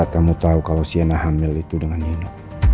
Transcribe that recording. kamu tau kalau sienna hamil itu dengan nino